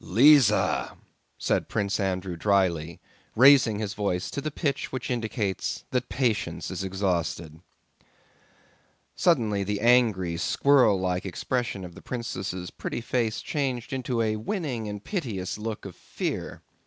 "Lise!" said Prince Andrew dryly, raising his voice to the pitch which indicates that patience is exhausted. Suddenly the angry, squirrel like expression of the princess' pretty face changed into a winning and piteous look of fear.